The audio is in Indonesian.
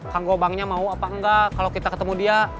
kang gobangnya mau apa enggak kalau kita ketemu dia